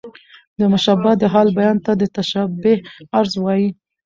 د مشبه د حال بیان ته د تشبېه غرض وايي.